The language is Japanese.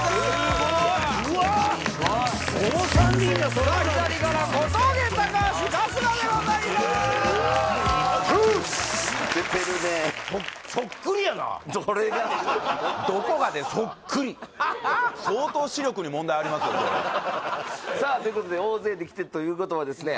そっくりさあということで大勢で来てということはですね